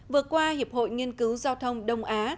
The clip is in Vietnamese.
vừa qua hiệp hội nghiên cứu giao thông đông á